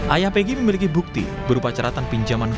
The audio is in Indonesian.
ayah pegi memiliki bukti berupa cerita yang terjadi di bandung